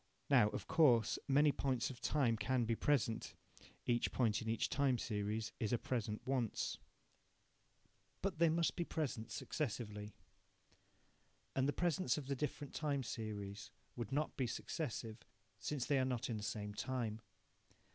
Now, of course, many points of time can be present (each point in each time series is a present once), but they must be present successively. And the presents of the different time series would not be successive, since they are not in the same time.